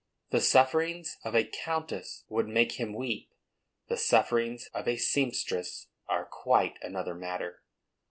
The sufferings of a countess would make him weep; the sufferings of a seamstress are quite another matter.